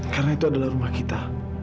karena itu adalah rumah kita